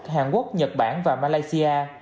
hàn quốc nhật bản và malaysia